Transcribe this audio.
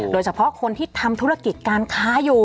โดยเฉพาะคนที่ทำธุรกิจการค้าอยู่